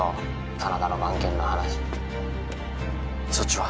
真田の番犬の話そっちは？